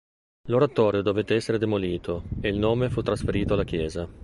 L'oratorio dovette essere demolito, e il nome fu trasferito alla chiesa.